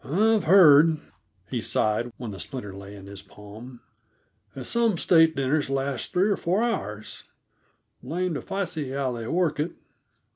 "I've heard," he sighed, when the splinter lay in his palm, "that some state dinners last three or four hours; blamed if I see how they work it.